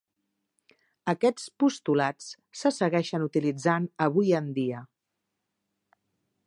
Aquests postulats se segueixen utilitzant avui en dia.